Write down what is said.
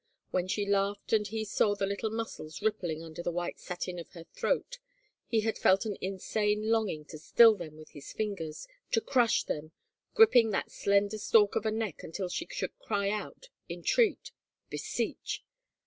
... When she laughed and he saw the little muscles rippling under the white satin of her throat he had felt an insane longing to still them with his fingers, to crush them, gripping that slender stalk of a neck tmtil she should cry out, entreat, beseech.